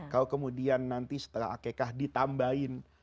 kalau kemudian nanti setelah akekah ditambahin